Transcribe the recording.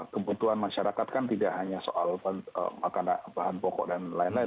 kebutuhan masyarakat kan tidak hanya soal makanan bahan pokok dan lain lain